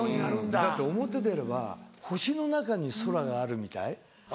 だって表出れば星の中に空があるみたい。